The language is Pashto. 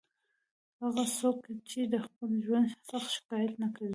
هغه څوک چې د خپل ژوند څخه شکایت نه کوي.